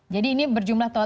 jadi ini berjumlah toko